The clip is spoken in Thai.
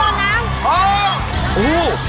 เอานี้ออกมาก่อนมันดอนน้ำ